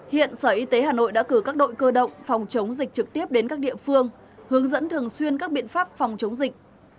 hiện sở y tế hà nội đã cử các đội cơ động phòng chống dịch trực tiếp đến các địa phương hướng dẫn thường xuyên các biện pháp phòng chống dịch